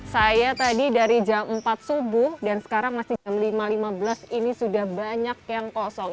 saya tadi dari jam empat subuh dan sekarang masih jam lima lima belas ini sudah banyak yang kosong